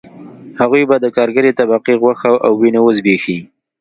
هغوی به د کارګرې طبقې غوښه او وینه وزبېښي